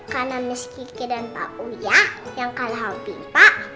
karena miss kiki dan pak uya yang kalah ompimpak